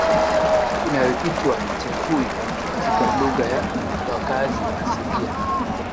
inayoitwa tepui katika lugha ya wakazi asilia